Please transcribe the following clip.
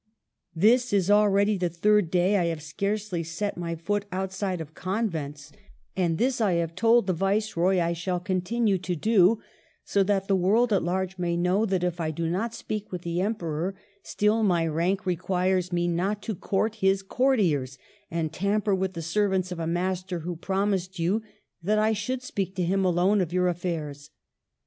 This is already the third day I have scarcely set my foot outside of convents ; and this I have told the Viceroy I shall continue to do, so that the world at large may know that if I do not speak with the Emperor, still my rank requires me not to court his courtiers and tamper with the servants of a master who promised you that I should speak to him alone of your affairs.